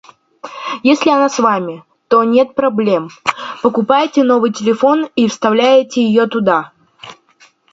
Если она с вами, то нет проблем - покупаете новый телефон и вставляете ее туда.